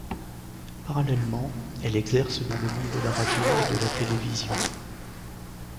Parallèlement, elle exerce dans le monde de la radio et de la télévision.